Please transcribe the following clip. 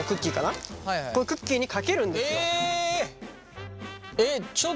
このクッキーにかけるんですよ。